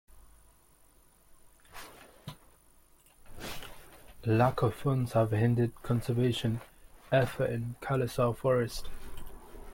Lack of funds have hindered conservation effort in Kalesar forest.